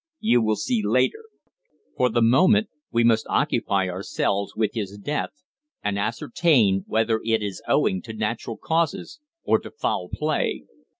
"You will see later. For the moment we must occupy ourselves with his death, and ascertain whether it is owing to natural causes or to foul play.